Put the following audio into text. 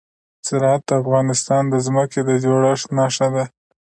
زراعت د افغانستان د ځمکې د جوړښت نښه ده.